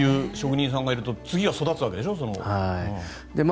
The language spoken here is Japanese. でもこういう職人さんがいると次が育つわけでしょ。